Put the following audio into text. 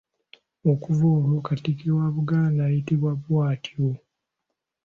Okuva olwo Katikkiro wa Buganda ayitibwa bw'atyo.